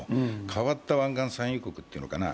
変わった湾岸産油国というのかな。